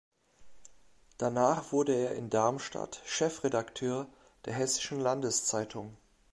Danach wurde er in Darmstadt Chefredakteur der "Hessischen Landeszeitung".